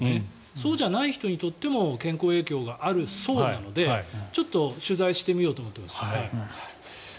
そうじゃない人にとっても健康影響があるそうなのでちょっと取材してみようと思ってます。